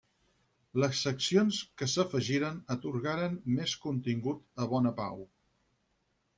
Les seccions que s'afegiren atorgaren més contingut a Bona Pau.